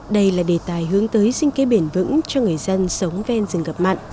đây là đề tài hướng tới sinh kế bền vững cho người dân sống ven rừng ngập mặn